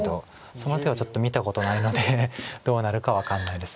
その手はちょっと見たことないのでどうなるか分かんないです。